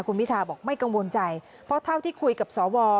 คุณพิทาบอกไม่กังวลใจเพราะเท่าที่คุยกับสว